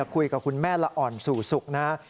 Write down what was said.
คุยกับคุณแม่ละอ่อนสู่สุขนะ